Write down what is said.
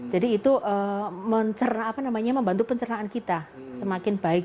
jadi itu apa namanya membantu pencernaan kita semakin baik